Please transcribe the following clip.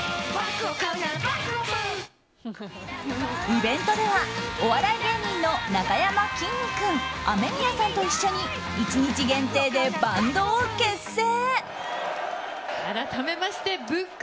イベントではお笑い芸人のなかやまきんに君ＡＭＥＭＩＹＡさんと一緒に１日限定でバンドを結成。